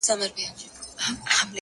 ته دي ټپه په اله زار پيل کړه؛